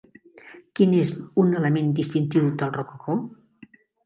Quin és un element distintiu del rococó?